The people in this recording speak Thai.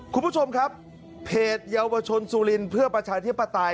คุณผู้ชมครับเพจเยาวชนสุรินทร์เพื่อประชาธิปไตย